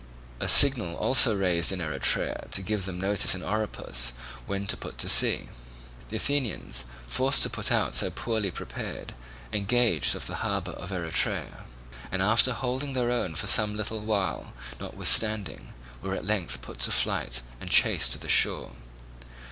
A signal also was raised in Eretria to give them notice in Oropus when to put to sea. The Athenians, forced to put out so poorly prepared, engaged off the harbour of Eretria, and after holding their own for some little while notwithstanding, were at length put to flight and chased to the shore.